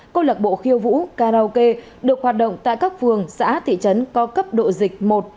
câu lạc bộ khiêu vũ karaoke được hoạt động tại các phường xã thị trấn có cấp độ dịch một